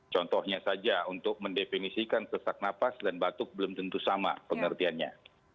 contohnya saja untuk mendefinisikan sesak nafas dan batuk belum tentu sama pengertiannya